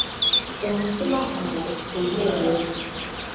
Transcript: umutima hano ufite umunezero gusa